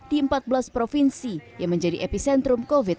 di empat belas provinsi yang menjadi epicenter